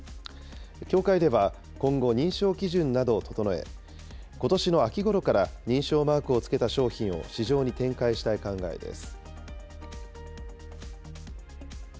協会では、今後、認証基準などを整え、ことしの秋ごろから認証マークを付けた商品を市場に展開したい考えです。